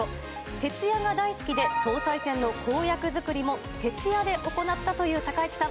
徹夜が大好きで、総裁選の公約作りも徹夜で行ったという高市さん。